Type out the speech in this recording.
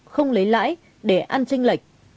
không lấy lãi để ăn tranh lệch